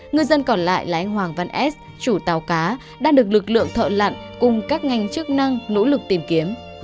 ngư dân còn lại là anh hoàng văn s chủ tàu cá đang được lực lượng thợ lặn cùng các ngành chức năng nỗ lực tìm kiếm